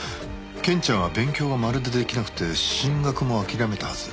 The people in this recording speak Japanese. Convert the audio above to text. ケンちゃんは勉強がまるで出来なくて進学も諦めたはず。